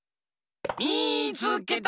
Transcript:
みいつけた！